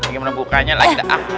ya gimana bukanya lagi